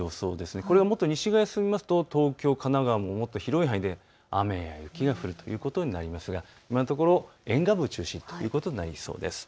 これがもっと西側を進むと東京、神奈川、もっと広い範囲で雨や雪が降るということになりますが、今のところ沿岸部を中心ということになりそうです。